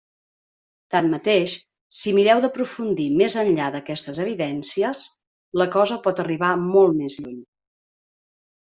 Tanmateix, si mirem d'aprofundir més enllà d'aquestes evidències, la cosa pot arribar molt més lluny.